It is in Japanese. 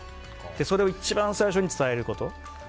それを一番最初に伝えること。